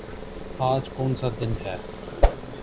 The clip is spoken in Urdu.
آج کونسا دن ہے؟